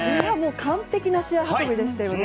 完璧な試合運びでしたよね。